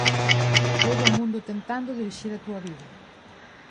Todo o mundo tentando dirixir a túa vida.